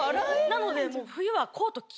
なので。